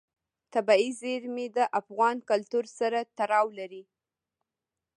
طبیعي زیرمې د افغان کلتور سره تړاو لري.